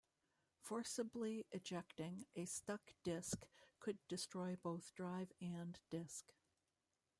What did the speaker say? Forcibly ejecting a stuck disk could destroy both drive and disk.